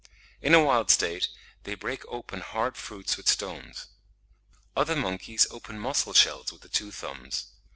In a wild state they break open hard fruits with stones. Other monkeys open mussel shells with the two thumbs.